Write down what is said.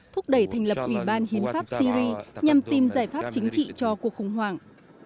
thúc đẩy thành lập ủy ban hiến pháp syri nhằm tìm giải pháp chính trị cho cuộc khủng hoảng